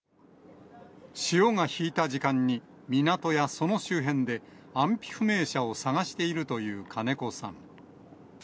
潮が引いた時間に港やその周辺で、安否不明者を捜しているという金子さん。